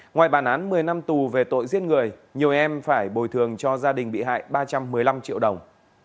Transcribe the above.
ngoài bản án một mươi năm tù về tội giết người nhiều em phải bồi thường cho gia đình bị hại ba trăm một mươi năm triệu đồng